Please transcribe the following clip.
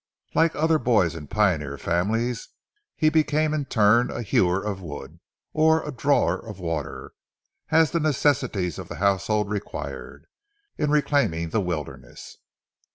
Like other boys in pioneer families, he became in turn a hewer of wood or drawer of water, as the necessities of the household required, in reclaiming the wilderness.